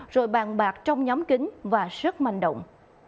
rồi bàn bạc trong nhóm kính và rất manh động